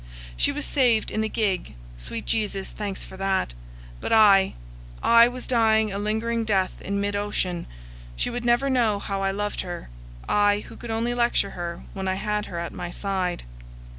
She was saved in the gig. Sweet Jesus, thanks for that! But I I was dying a lingering death in mid ocean; she would never know how I loved her, I, who could only lecture her when I had her at my side.